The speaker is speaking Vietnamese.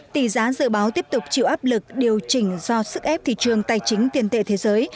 tỷ giá dự báo tiếp tục chịu áp lực điều chỉnh do sức ép thị trường tài chính tiền tệ thế giới